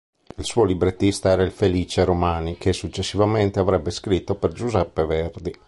Il suo librettista era il Felice Romani che successivamente avrebbe scritto per Giuseppe Verdi.